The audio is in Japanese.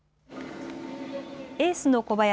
エースの小林。